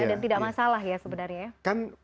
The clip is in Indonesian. dan tidak masalah ya sebenarnya